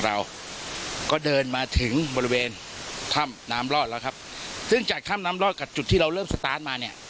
เราก็เดินมาถึงบริเวณถ้ำน้ำรอดแล้วครับซึ่งจากถ้ำน้ำรอดกับจุดที่เราเริ่มสตาร์ทมาเนี่ย